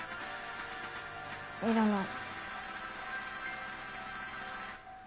いらない。